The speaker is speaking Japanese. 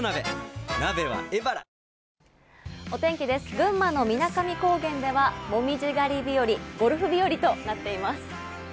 群馬の水上高原では紅葉狩り日和、ゴルフ日和となっています。